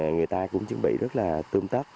người ta cũng chuẩn bị rất là tương tết